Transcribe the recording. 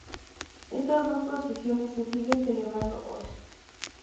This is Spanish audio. Estas dos procesiones se siguen celebrando hoy.